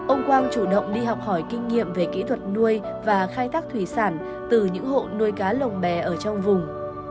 ông quang chủ động đi học hỏi kinh nghiệm về kỹ thuật nuôi và khai thác thủy sản từ những hộ nuôi cá lồng bè ở trong vùng